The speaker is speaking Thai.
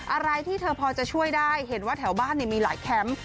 อะไรที่เธอพอจะช่วยได้เห็นว่าแถวบ้านมีหลายแคมป์